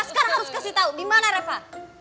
sekarang harus kasih tau dimana reva